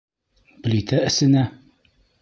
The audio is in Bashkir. — Плитә эсенә?!.